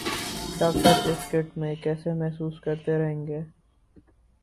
doctor اس kit میں کیسے محسوس کرتے رہیں گے